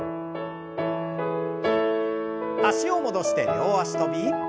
脚を戻して両脚跳び。